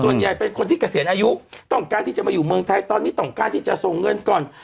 ส่วนใหญ่เป็นคนที่เกษียณอายุต้องการที่จะมาอยู่เมืองไทยตอนนี้ต้องการที่จะส่งเงินก่อน